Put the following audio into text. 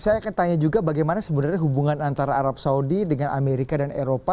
saya akan tanya juga bagaimana sebenarnya hubungan antara arab saudi dengan amerika dan eropa